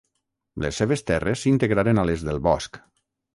Les seves terres s'integraren a les del Bosc.